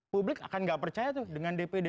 publik akan nggak percaya tuh dengan dpd